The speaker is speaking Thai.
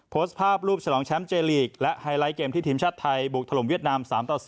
โพสต์ภาพรูปฉลองแชมป์เจลีกและไฮไลท์เกมที่ทีมชาติไทยบุกถล่มเวียดนาม๓ต่อ๐